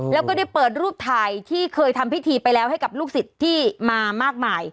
แล้วก็ได้เปิดรูปถ่ายที่เคยทำพิธีไปแล้วให้กับลูกศิษย์ที่มามากมาย